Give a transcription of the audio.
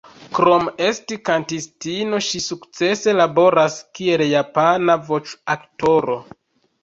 Krom esti kantistino, ŝi sukcese laboras kiel japana voĉoaktoro.